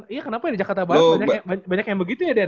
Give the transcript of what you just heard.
iya kenapa di jakarta barat banyak yang begitu ya dea